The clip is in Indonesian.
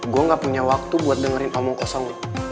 gue gak punya waktu buat dengerin omong kosong nih